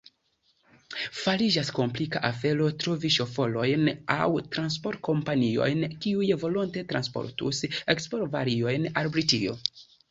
Fariĝas komplika afero trovi ŝoforojn aŭ transportkompaniojn, kiuj volonte transportus eksportvarojn al Britio.